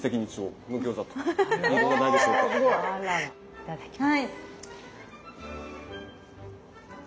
いただきます。